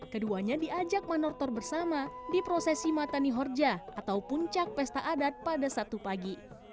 keduanya diajak manortor bersama di prosesi matani horja atau puncak pesta adat pada sabtu pagi